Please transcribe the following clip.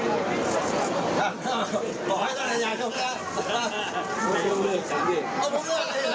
บอกให้ท่านอายาเช่าสิค่ะไม่มีเลือกไม่มีเลือก